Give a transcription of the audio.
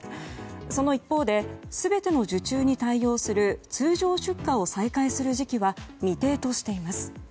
その一方で全ての受注に対応する通常出荷を再開する時期は未定としています。